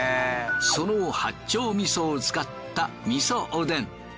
その八丁味噌を使ったみそおでん。